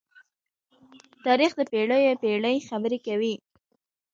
تاریخ د پېړيو پېړۍ خبرې کوي.